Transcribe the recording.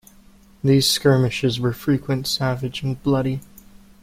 These skirmishes were frequent savage and bloody.